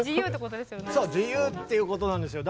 そう自由っていうことなんですよ。